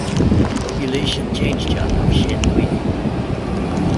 Population change chart of Chênedouit